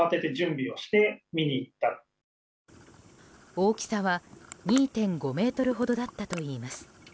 大きさは２．５ｍほどだったといいます。